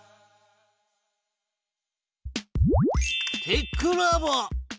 テックラボ。